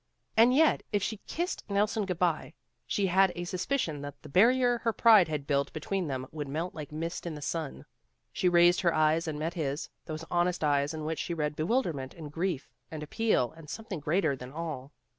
And yet if she kissed Nelson good by, she had a sus picion that the barrier her pride had built be tween them would melt like mist in the sun. She raised her eyes and met his, those honest eyes in which she read bewilderment and grief and appeal and something greater than all.